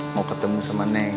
mau ketemu sama neng